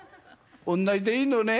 おんなじでいいのね？